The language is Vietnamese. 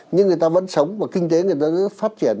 nhưng người ta vẫn sống và kinh tế người ta cứ phát triển